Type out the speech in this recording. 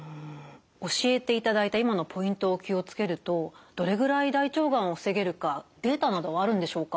教えていただいた今のポイントを気を付けるとどれぐらい大腸がんを防げるかデータなどはあるんでしょうか？